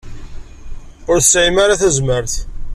Ur tesɛim ara tazmert.